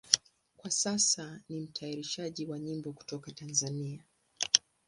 Kwa sasa ni mtayarishaji wa nyimbo kutoka Tanzania.